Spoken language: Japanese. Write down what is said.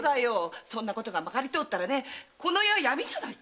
そんなことがまかり通ったらこの世は闇じゃないか！